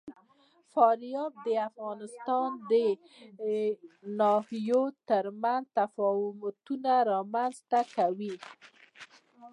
فاریاب د افغانستان د ناحیو ترمنځ تفاوتونه رامنځ ته کوي.